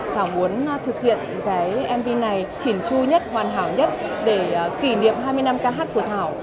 thảo muốn thực hiện cái mv này chỉn chu nhất hoàn hảo nhất để kỷ niệm hai mươi năm ca hát của thảo